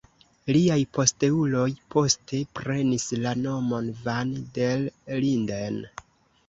Liaj posteuloj poste prenis la nomon van der Linden.